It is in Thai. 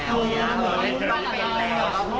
หมดแล้วหมดแล้ว